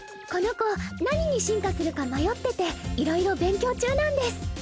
この子何に進化するか迷ってていろいろ勉強中なんです。